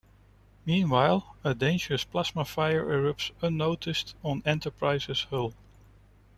Meanwhile, a dangerous plasma fire erupts unnoticed on "Enterprise"s hull.